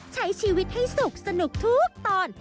ใช้ชีวิตให้สุขสนุกทุกตอน